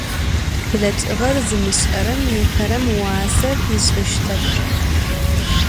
Bleç'ığer zımış'erem nêperem vuase fiş'ıştep.